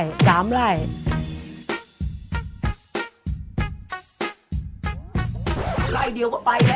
ไล่เดียวก็ไปแล้ว